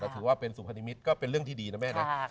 แต่ถือว่าเป็นสุพรรณมิตรก็เป็นเรื่องที่ดีนะแม่นะ